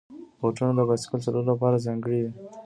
بوټونه د بایسکل چلولو لپاره ځانګړي وي.